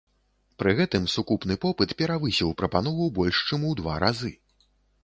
Пры гэтым сукупны попыт перавысіў прапанову больш чым у два разы.